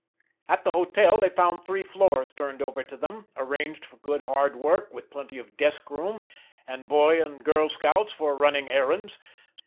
At the hotel they found three floors turned over to them, arranged for good, hard work, with plenty of desk room, and boy and girl scouts for running errands.